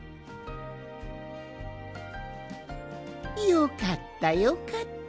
よかったよかった。